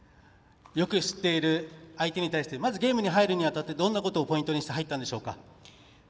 よく知っている相手に対してまずゲームに入るにあたってどんなことをポイントにして入ったんでしょうか？